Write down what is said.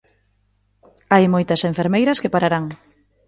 Hai moitas enfermeiras que pararán.